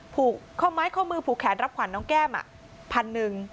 ผูกข้อม้ายข้อมือผูกแขนรับขวัญน้องแก้ม๑๐๐๐บาท